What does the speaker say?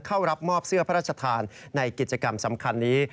เข้ารับมอบเสื้อพระราชทานในกิจกรรมสำคัญนี้